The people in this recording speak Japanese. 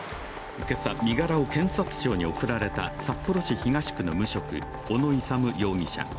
今朝、身柄を検察庁に送られた札幌市東区の無職、小野勇容疑者。